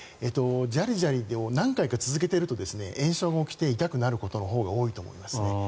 ジャリジャリを何回か続けていると炎症して痛くなることが多いと思いますね。